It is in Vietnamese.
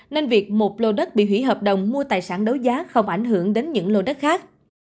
nên việc một lô đất bị hủy hợp đồng mua tài sản đấu giá không ảnh hưởng đến những lô đất khác